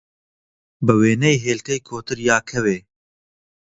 بە وێنەی هێلکەی کۆتر، یا کەوێ